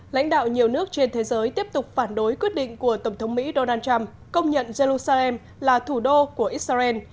lãnh đạo nhiều nước trên thế giới tiếp tục phản đối quyết định của tổng thống mỹ donald trump công nhận jerusalem là thủ đô của israel